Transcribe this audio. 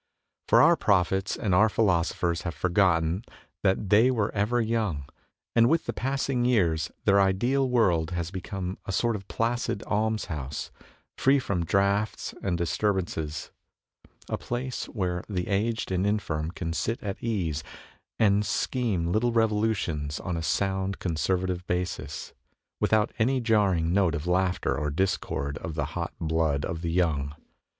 For our prophets and our philoso phers have forgotten that they were ever young, and with the passing years their ideal world has become a sort of placid alms house, free from draughts and disturbances, a place THE TYRANNY OF THE UGLY 21 where the aged and infirm can sit at ease and scheme little revolutions on a sound conservative basis, without any jarring note of laughter or discord of the hot blood of the young.